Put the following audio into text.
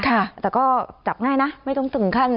ค่ะแต่ก็จับง่ายนะไม่ต้องถึงขั้น